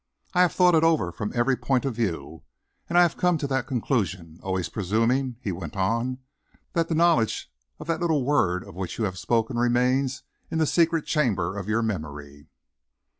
I have thought it over from every point of view, and I have come to that conclusion; always presuming," he went on, "that the knowledge of that little word of which we have spoken remains in its secret chamber of your memory."